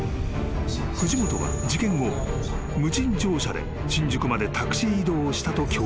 ［藤本は事件後無賃乗車で新宿までタクシー移動をしたと供述していた。